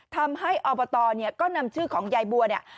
ทำให้อบตเนี่ยก็นำชื่อของยายบัวเนี่ย